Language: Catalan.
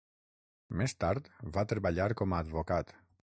Més tard va treballar com a advocat.